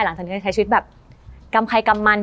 หลังจากนี้จะใช้ชีวิตแบบกำใครกำมัน